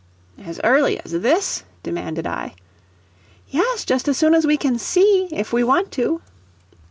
"As early as this?" demanded I. "Yes, just as soon as we can see, if we want to."